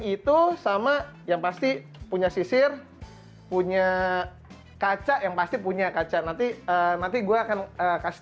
itu sama yang pasti punya sisir punya kaca yang pasti punya kaca nanti nanti gue akan kasih